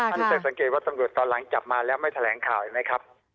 ท่านจะสังเกตว่าตำรวจตอนหลังจับมาแล้วไม่แถลงข่าวเห็นไหมครับ